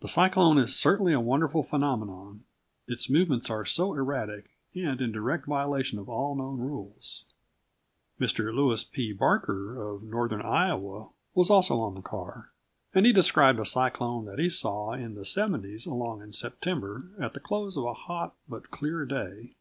The cyclone is certainly a wonderful phenomenon, its movements are so erratic, and in direct violation of all known rules. Mr. Louis P. Barker of northern Iowa was also on the car, and he described a cyclone that he saw in the '70s along in September at the close of a hot but clear day.